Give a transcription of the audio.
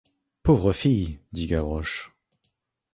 Pauvre fille ! dit Gavroche.